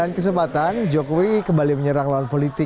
jangan sampai kita ini pesimis